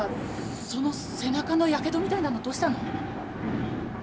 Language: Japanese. その背中のやけどみたいなのどうしたの？